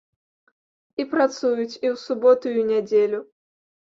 І працуюць і ў суботу, і ў нядзелю.